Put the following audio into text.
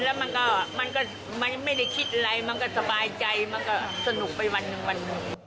แล้วมันก็ไม่ได้คิดอะไรมันก็สบายใจมันก็สนุกไปวันหนึ่งวันหนึ่ง